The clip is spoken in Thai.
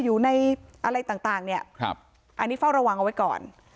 อยู่ในอะไรต่างนี้ฝ้ารวงเอาไว้ก่อน